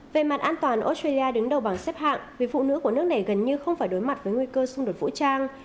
về mặt an toàn australia đứng đầu bảng xếp hạng vì phụ nữ của nước này gần như không phải đối mặt với nguy cơ xung đột vũ trang